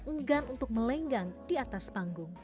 enggan untuk melenggang di atas panggung